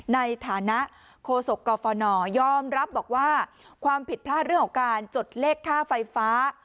ในฐานะโคศกกฟนยอมรับบอกว่าความผิดพลาดเรื่องของการจดเลขค่าไฟฟ้า